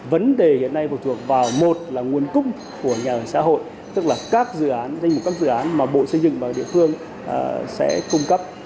vấn đề hiện nay phục vụ vào một là nguồn cung của nhà ở xã hội tức là các dự án các dự án mà bộ xây dựng và địa phương sẽ cung cấp